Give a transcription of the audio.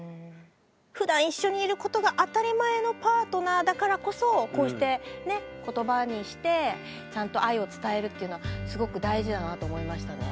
ふだん一緒にいることが当たり前のパートナーだからこそこうして言葉にしてちゃんと愛を伝えるっていうのはすごく大事だなと思いましたね。